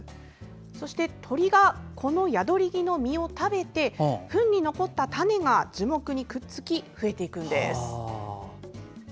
鳥が、このヤドリギの実を食べてふんに残った種が樹木にくっつき増えていくんです。